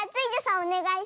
おねがいします！